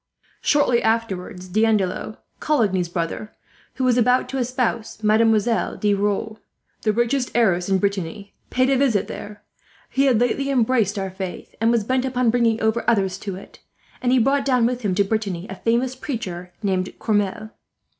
"Shortly afterwards D'Andelot, Coligny's brother, who was about to espouse Mademoiselle De Rieux, the richest heiress in Brittany, paid a visit there. He had lately embraced our faith, and was bent upon bringing over others to it; and he brought down with him to Brittany a famous preacher named Cormel.